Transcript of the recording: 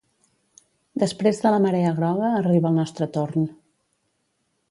Després de la marea groga arriba el nostre torn.